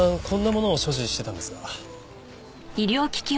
こんな物を所持していたんですが。